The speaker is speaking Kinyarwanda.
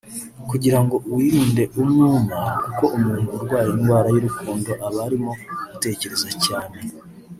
kugira ngo wirinde umwuma kuko umuntu urwaye indwara y’urukundo aba arimo gutekereza cyane